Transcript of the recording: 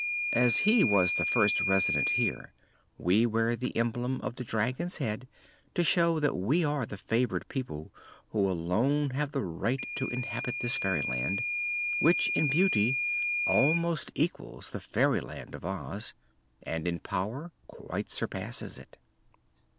As he was the first resident here, we wear the emblem of the dragon's head to show that we are the favored people who alone have the right to inhabit this fairyland, which in beauty almost equals the Fairyland of Oz, and in power quite surpasses it."